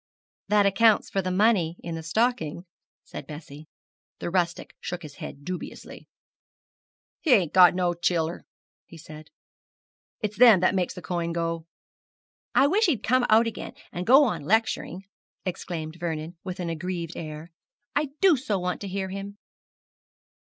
'That accounts for the money in the stocking,' said Bessie. The rustic shook his head dubiously. 'Him ain't got no childer,' he said. 'It's them as makes the coin go.' 'I wish he'd come out again and go on lecturing,' exclaimed Vernon, with an aggrieved air. 'I do so want to hear him.'